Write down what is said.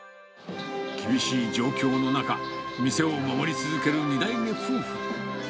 厳しい状況の中、店を守り続ける２代目夫婦。